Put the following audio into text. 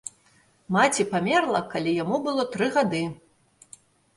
Маці памерла, калі яму было тры гады.